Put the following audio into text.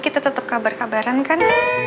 kita tetap kabar kabaran kan